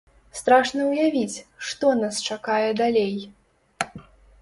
Страшна ўявіць, што нас чакае далей.